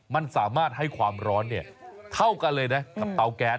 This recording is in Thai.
มันสามารถให้ความร้อนเท่ากันเลยนะกับเตาแก๊ส